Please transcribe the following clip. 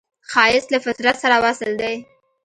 ښایست له فطرت سره وصل دی